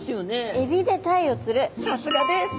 さすがです！